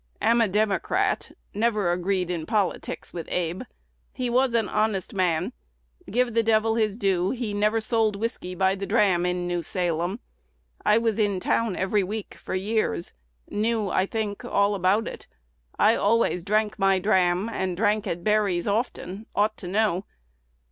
Am a Democrat; never agreed in politics with Abe. He was an honest man. Give the Devil his due; he never sold whiskey by the dram in New Salem! I was in town every week for years; knew, I think, all about it. I always drank my dram, and drank at Berry's often; ought to know.